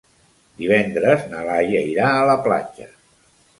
Divendres na Laia irà a la platja.